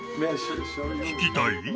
聴きたい？